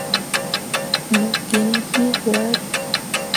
Mo gi nah hii hwaare.